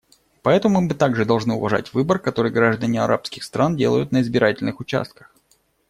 Поэтому мы также должны уважать выбор, который граждане арабских стран делают на избирательных участках.